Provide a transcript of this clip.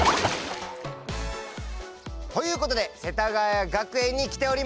ということで世田谷学園に来ております。